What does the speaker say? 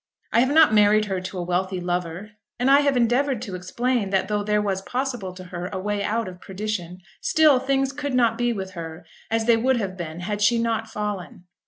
I have not married her to a wealthy lover, and I have endeavoured to explain that though there was possible to her a way out of perdition, still things could not be with her as they would have been had she not fallen.